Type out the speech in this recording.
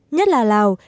nhất là lào